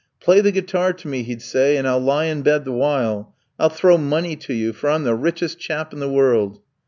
'Play the guitar to me,' he'd say, 'and I'll lie in bed the while. I'll throw money to you, for I'm the richest chap in the world!'